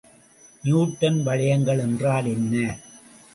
Newton வளையங்கள் என்றால் என்ன?